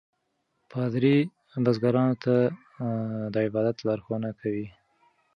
پادري بزګرانو ته د عبادت لارښوونه کوي.